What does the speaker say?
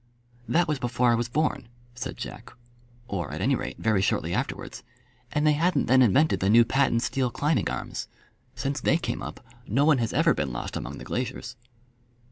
"That was before I was born," said Jack, "or at any rate very shortly afterwards. And they hadn't then invented the new patent steel climbing arms. Since they came up, no one has ever been lost among the glaciers."